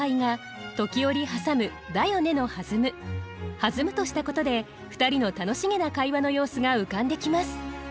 「弾む」としたことで２人の楽しげな会話の様子が浮かんできます。